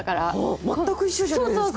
全く一緒じゃないですか。